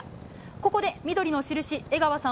ここで緑の印、江川さん